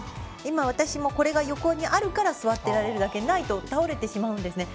今、私も横にあるから座っていられるだけでないと倒れてしまうんです。